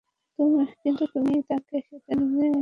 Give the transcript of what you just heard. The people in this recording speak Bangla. কিন্তু তুমি তাকে সেটা নিতে দাও নি।